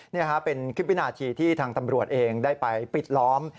นี่ฮะเป็นคลิปวินาทีที่ทางตำรวจเองได้ไปปิดล้อม